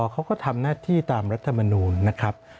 เขาก็ทำหน้าที่ตามรัฐมนูลนะครับ